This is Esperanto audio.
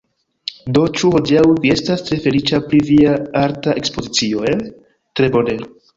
Do, ĉu hodiaŭ vi estas tre feliĉa pri via arta ekspozicio? eh... tre bone?